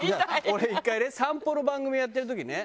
俺１回ね散歩の番組やってる時にね